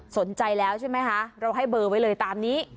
สนใจแล้วใช่ไหมคะเราให้เบอร์ไว้เลยตามนี้